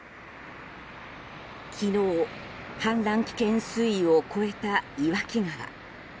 昨日、氾濫危険水位を超えた岩木川。